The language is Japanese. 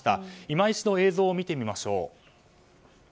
今一度、映像を見てみましょう。